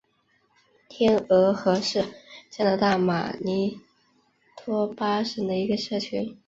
天鹅河是加拿大马尼托巴省的一个社区。